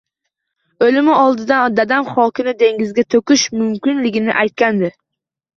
O`limi oldidan dadam xokini dengizga to`kish mumkinligini aytgandi